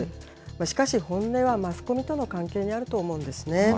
しかし本音はマスコミとの関係にあると思うんですね。